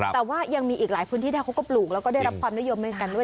แต่ว่ายังมีอีกหลายพื้นที่ได้เขาก็ปลูกแล้วก็ได้รับความนิยมเหมือนกันด้วย